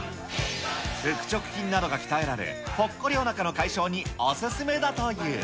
腹直筋などが鍛えられ、ぽっこりおなかの解消にお勧めだという。